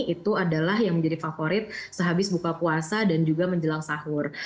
itu adalah yang menjadi favorit sehabis buka puasa dan juga menjelang sahur